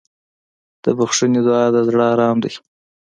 د بښنې دعا د زړه ارام دی.